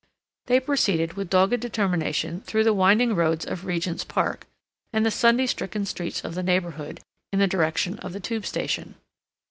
They proceeded with dogged determination through the winding roads of Regent's Park, and the Sunday stricken streets of the neighborhood, in the direction of the Tube station.